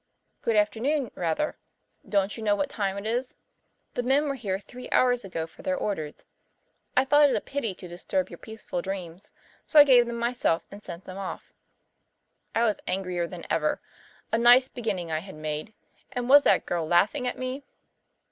"Good afternoon, rather. Don't you know what time it is? The men were here three hours ago for their orders. I thought it a pity to disturb your peaceful dreams, so I gave them myself and sent them off." I was angrier than ever. A nice beginning I had made. And was that girl laughing at me?